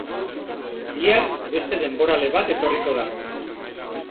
Bihar, beste denborale bat etorriko da.